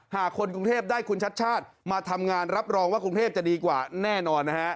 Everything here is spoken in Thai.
หากคนกรุงเทพได้คุณชัดชาติมาทำงานรับรองว่ากรุงเทพจะดีกว่าแน่นอนนะฮะ